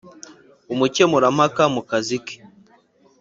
umukemurampaka mu kazi ke.